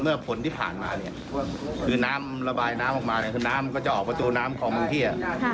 เมื่อผลที่ผ่านมานี่คือน้ำระบายน้ำออกมาน้ำก็จะออกประตูน้ำของบางที่